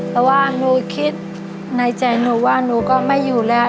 แต่ว่าหนูคิดในใจหนูว่าหนูก็ไม่อยู่แล้ว